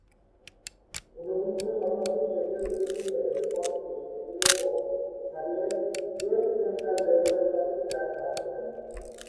ঊনবিংশ শতাব্দীর শেষের দিক থেকে রেলপথটি মেরিলেবোন ছাড়িয়ে গ্রেট সেন্ট্রাল রেলওয়ের সাথে ট্র্যাক ভাগ করে নিয়েছিল।